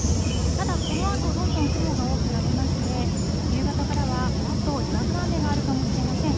ただ、このあとどんどん雲が多くなりまして、夕方からはぱらっとにわか雨があるかもしれません。